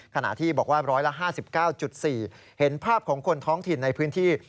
ขณะที่บอกว่า๑๕๙๔เห็นภาพของคนท้องถิ่นในพื้นที่